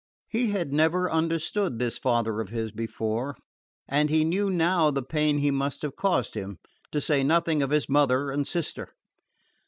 He had never understood this father of his before, and he knew now the pain he must have caused him, to say nothing of his mother and sister.